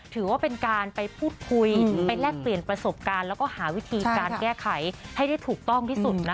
ถือว่าเป็นการไปพูดคุยไปแลกเปลี่ยนประสบการณ์แล้วก็หาวิธีการแก้ไขให้ได้ถูกต้องที่สุดนะคะ